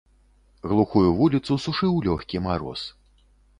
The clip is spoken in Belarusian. Глухую вуліцу сушыў лёгкі мароз.